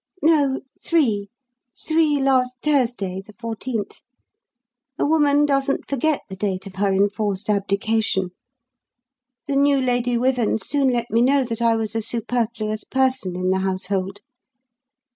"No, three three, last Thursday, the fourteenth. A woman doesn't forget the date of her enforced abdication. The new Lady Wyvern soon let me know that I was a superfluous person in the household.